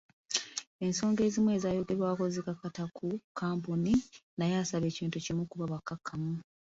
Ensonga ezimu ezayogerwako zikakata ku kkampuni naye asaba kintu kimu kuba bakakkamu.